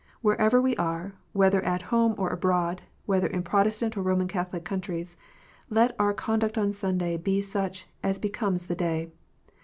Wherever we are, whether at home or abroad, whether in Protestant or Roman Catholic countries, let our con duct on Sunday be such as becomes the day.